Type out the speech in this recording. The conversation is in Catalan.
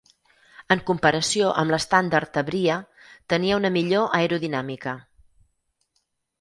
En comparació amb l'estàndard "Tavria", tenia una millor aerodinàmica.